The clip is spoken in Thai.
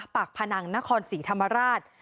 พนังนครศรีธรรมราช